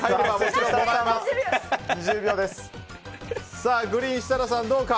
さあ、グリーン設楽さんどうか。